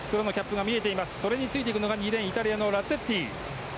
それについていくのが２レーン、イタリアのラッツェッティ。